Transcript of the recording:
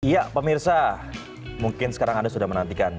ya pemirsa mungkin sekarang anda sudah menantikan